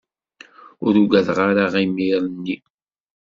Ur ugadeɣ ara imir-nni.